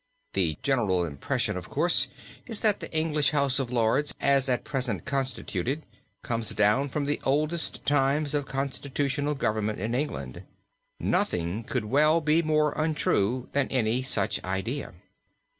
The general impression, of course, is that the English House of Lords, as at present constituted, comes down from the oldest times of constitutional government in England. Nothing could well be more untrue than any such idea.